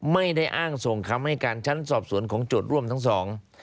ไม่ได้อ้างส่งคำให้การชั้นสอบสวนของโจทย์ร่วมทั้งสอง